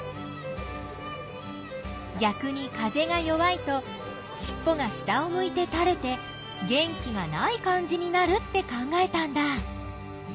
ぎゃくに風が弱いとしっぽが下をむいてたれて元気がない感じになるって考えたんだ。